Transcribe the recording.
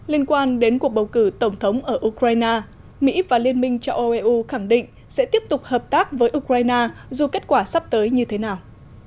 liên quan đến cuộc bầu cử tổng thống ở ukraine mỹ và liên minh châu âu eu khẳng định sẽ tiếp tục hợp tác với ukraine dù kết quả sắp tới như thế nào